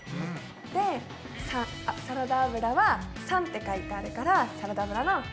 でサラダ油は③って書いてあるからサラダ油の「ダ」。